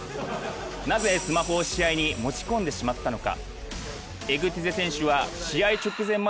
なぜスマホを試合に持ち込んでしまったのか。